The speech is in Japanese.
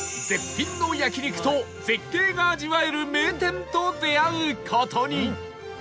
絶品の焼肉と絶景が味わえる名店と出会う事に